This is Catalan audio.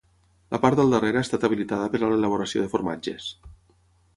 La part del darrere ha estat habilitada per a l'elaboració de formatges.